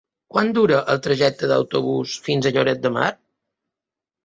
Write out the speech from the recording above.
Quant dura el trajecte en autobús fins a Lloret de Mar?